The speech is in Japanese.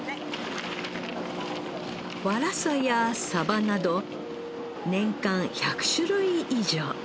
ワラサやサバなど年間１００種類以上